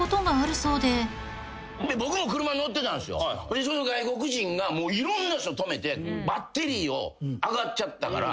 でその外国人がいろんな人止めてバッテリー上がっちゃったから。